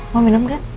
mau minum gak